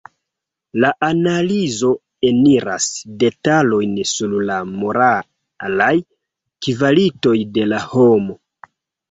La analizo eniras detalojn sur la moralaj kvalitoj de la homo.